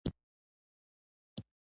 زه بايد يوه سپينه او روښانه خبره وکړم.